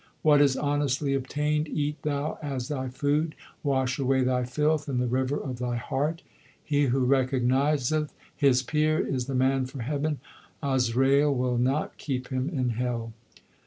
What is honestly obtained eat thou as thy food ; Wash away thy filth in the river of thy heart. He who recognizeth his Pir is the man for heaven ; Azrail will not keep him in hell.